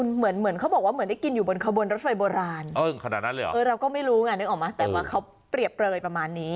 เหมือนเขาบอกว่าเหมือนได้กินบนตไปอ่ะ